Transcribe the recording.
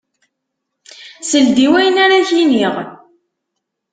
Sel-d i wayen ara k-iniɣ.